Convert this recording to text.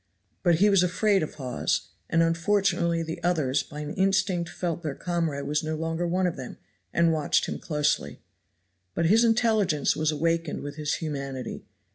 But he was afraid of Hawes, and unfortunately the others by an instinct felt their comrade was no longer one of them and watched him closely. But his intelligence was awakened with his humanity.